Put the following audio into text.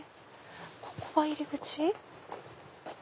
ここが入り口？